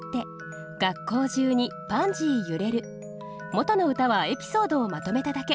元の歌はエピソードをまとめただけ。